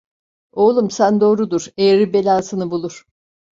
Oğlum sen doğru dur, eğri belâsını bulur.